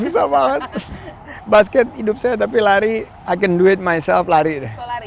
susah banget basket hidup saya tapi lari i can do it myself lari deh